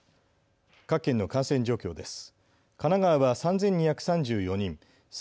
各県の感染状況です。